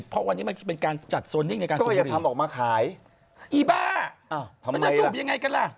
เพราะวันนี้มันเป็นการจัดโซนนิ่งในการสูบบุหรี่อีบ้ามันจะสูบยังไงกันล่ะ